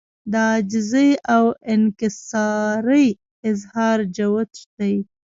د عاجزۍاو انکسارۍ اظهار جوت دی